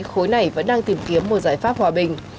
khối này vẫn đang tìm kiếm một giải pháp hòa bình